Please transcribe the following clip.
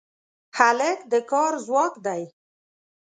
هلک د کار ځواک دی.